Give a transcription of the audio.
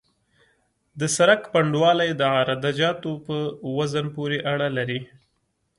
د سرک پنډوالی د عراده جاتو په وزن پورې اړه لري